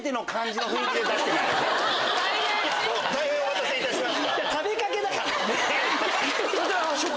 「大変お待たせいたしました」。